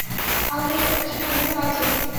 আমাদের সবার সে স্বাধীনতা আছে।